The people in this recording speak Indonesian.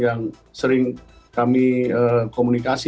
yang sering kami komunikasi